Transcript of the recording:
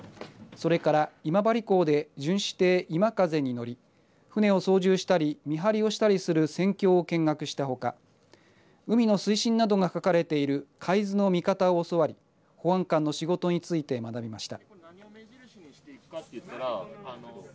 それから今治港で巡視艇、いまかぜに乗り船を操縦したり見張りをしたりする、船橋を見学したほか海の水深などが書かれている海図の見方を教わり保安官の仕事について学びました。